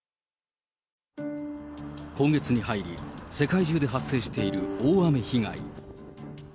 今月に入り、世界中で発生している大雨被害。